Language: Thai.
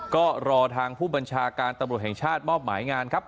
ก็รอทางผู้บัญชาการตำรวจแห่งชาติมอบหมายงานครับ